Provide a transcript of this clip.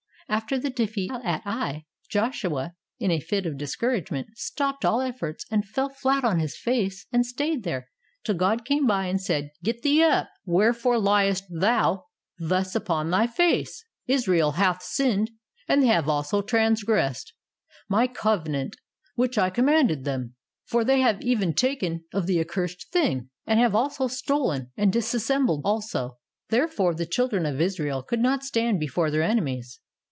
After the defeat at Ai, Joshua in a fit of discouragement stopped all efforts and fell flat on his face and stayed there till God came by and said, "Get thee up; where fore liest thou thus upon thy face? Israel hath sinned and they have also transgressed REDEEMING THE TIME. 55 My covenant which I commanded them; for they have even taken of the accursed thing, and have also stolen, and dis sembled also. Therefore the children of Israel could not stand before their enemies